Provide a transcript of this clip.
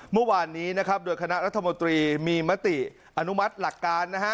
เมื่อวานนี้นะครับโดยคณะรัฐมนตรีมีมติอนุมัติหลักการนะฮะ